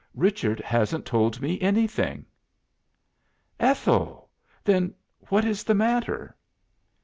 Richard hasn't told me anything." "Ethel! Then what is the matter?"